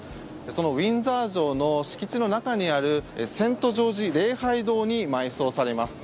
そのウィンザー城の敷地の中にあるセント・ジョージ礼拝堂に埋葬されます。